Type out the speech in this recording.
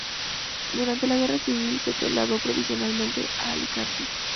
Durante la Guerra Civil se trasladó provisionalmente a Alicante.